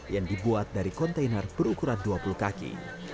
yang dibuat dari kontainer berukuran dua puluh kaki